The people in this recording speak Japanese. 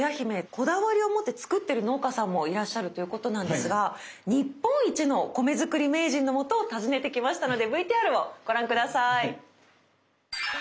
こだわりを持って作ってる農家さんもいらっしゃるということなんですが日本一の米作り名人のもとを訪ねてきましたのでＶＴＲをご覧下さい。